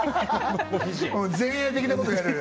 前衛的なことをやる